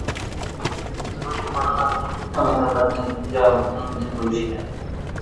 ছবিটির প্রধান আরেকটি চরিত্রে অমিতাভ বচ্চনের স্ত্রী জয়া বচ্চনও অভিনয় করেছিলেন।